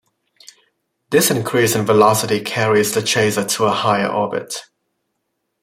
This increase in velocity carries the chaser to a higher orbit.